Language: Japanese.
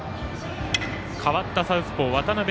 代わったサウスポー渡邉